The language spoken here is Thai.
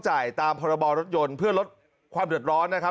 จ่ายตามพรบรถยนต์เพื่อลดความเดือดร้อนนะครับ